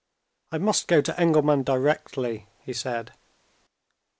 "I must go to Engelman directly," he said.